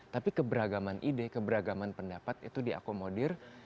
tapi keberagaman ide keberagaman pendapat itu diakomodir